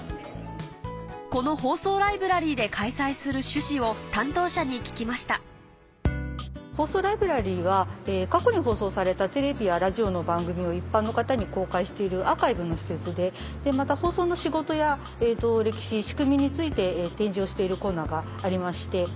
この放送ライブラリーで開催する趣旨を担当者に聞きました放送ライブラリーは過去に放送されたテレビやラジオの番組を一般の方に公開しているアーカイブの施設でまた放送の仕事や映像歴史仕組みについて展示をしているコーナーがありまして。